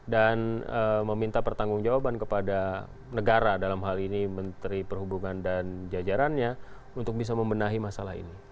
dan meminta pertanggung jawaban kepada negara dalam hal ini menteri perhubungan dan jajarannya untuk bisa membenahi masalah ini